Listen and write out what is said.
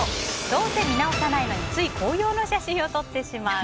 どうせ見直さないのについ紅葉の写真を撮ってしまう。